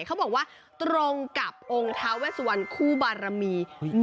เขาบอกว่าตรงกับองค์ท้าเวสวันคู่บารมี